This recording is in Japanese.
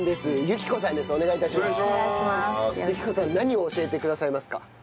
雪子さん何を教えてくださいますか？